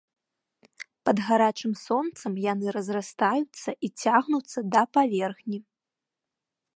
Пад гарачым сонцам яны разрастаюцца і цягнуцца да паверхні.